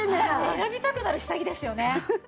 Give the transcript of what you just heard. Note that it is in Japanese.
選びたくなる下着ですよね。